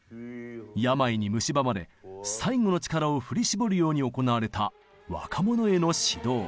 病にむしばまれ最後の力を振り絞るように行われた若者への指導。